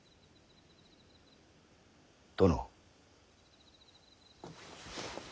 殿。